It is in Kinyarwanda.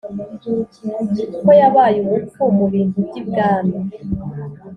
kuko yabaye umupfu, mu bintu by' ibwami.